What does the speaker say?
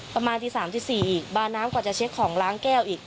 ประมาณตี๓๔อีกบาน้ำกว่าจะเช็คของล้างแก้วอีก